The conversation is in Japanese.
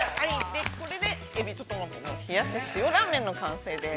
◆これでえびとトマトの冷やし塩ラーメンの完成です。